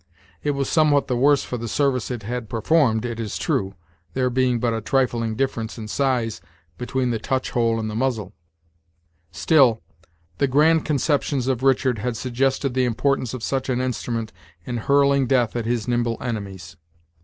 It was somewhat the worse for the service it had performed, it is true, there being but a trifling difference in size between the touch hole and the muzzle Still, the grand conceptions of Richard had suggested the importance of such an instrument in hurling death at his nimble enemies.